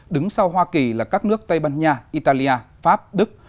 đứng sau hoa kỳ là các nước tây ban nha italia pháp đức